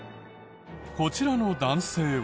こちらの男性は。